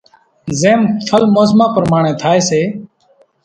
زيم ڦل موسمان پرماڻي ٿائي سي۔